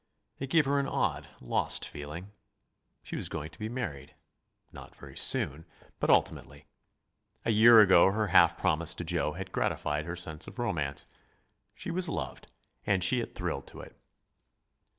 It gave her an odd, lost feeling. She was going to be married not very soon, but ultimately. A year ago her half promise to Joe had gratified her sense of romance. She was loved, and she had thrilled to it.